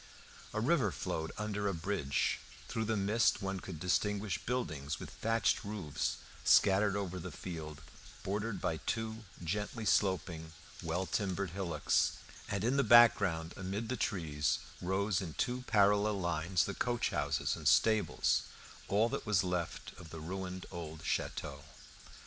A river flowed under a bridge; through the mist one could distinguish buildings with thatched roofs scattered over the field bordered by two gently sloping, well timbered hillocks, and in the background amid the trees rose in two parallel lines the coach houses and stables, all that was left of the ruined old château.